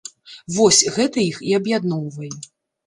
Вось, гэта іх і аб'ядноўвае.